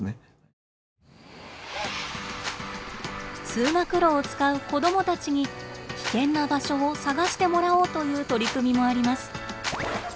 通学路を使う子どもたちに危険な場所を探してもらおうという取り組みもあります。